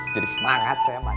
jadi semangat saya mas